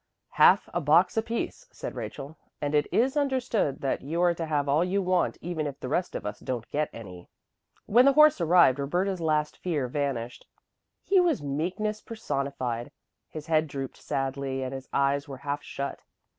"Half a box apiece," said Rachel, "and it is understood that you are to have all you want even if the rest of us don't get any." When the horse arrived Roberta's last fear vanished. He was meekness personified. His head drooped sadly and his eyes were half shut.